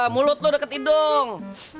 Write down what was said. mulut lu deket hidung